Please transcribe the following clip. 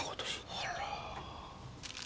あら。